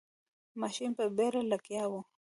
ماشین په بیړه لګیا و.